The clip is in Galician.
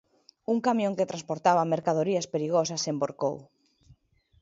Un camión que transportaba mercadorías perigosas envorcou.